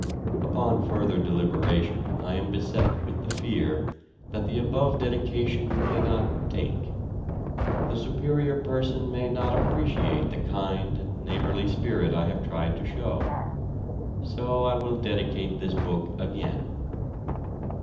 Upon further deliberation I am beset with the fear that the above dedication may not "take." The Superior Person may not appreciate the kind and neighborly spirit I have tried to show. So I will dedicate this book again.